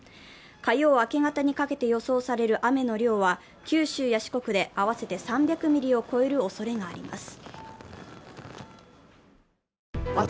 火曜明け方にかけて予想される雨の量は、九州や四国で合わせて３００ミリを超えるおそれがあります。